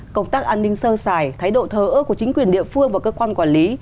công tác an ninh sơ xài thái độ thờ ớt của chính quyền địa phương và cơ quan quản lý